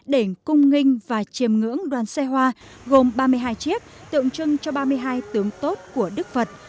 đỉnh cung nghinh và chìm ngưỡng đoàn xe hoa gồm ba mươi hai chiếc tượng trưng cho ba mươi hai tướng tốt của đức phật